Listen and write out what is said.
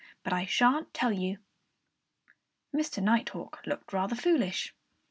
But I shan't tell you!" Mr. Nighthawk looked rather foolish.